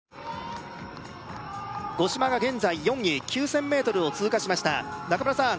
五島が現在４位９０００ｍを通過しました中村さん